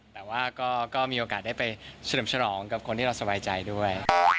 แต่ว่าก็มีโอกาสได้ไปสนับสนุนฉลองกับคนที่เราสบายใจด้วย